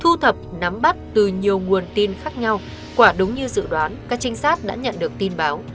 thu thập nắm bắt từ nhiều nguồn tin khác nhau quả đúng như dự đoán các trinh sát đã nhận được tin báo